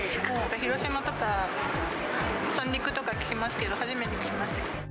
広島とか三陸とか聞きますけど、初めて聞きました。